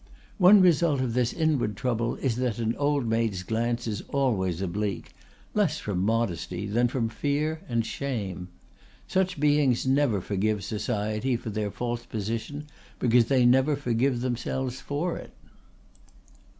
One result of this inward trouble is that an old maid's glance is always oblique, less from modesty than from fear and shame. Such beings never forgive society for their false position because they never forgive themselves for it.